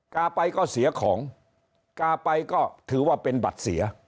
กาไปก็เสียของกาไปก็ถือว่าเป็นบัตรเสีย